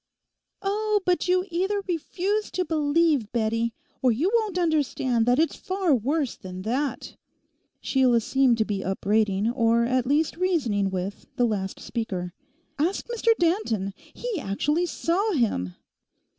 'Oh, but you either refuse to believe, Bettie, or you won't understand that it's far worse than that.' Sheila seemed to be upbraiding, or at least reasoning with, the last speaker. 'Ask Mr Danton—he actually saw him.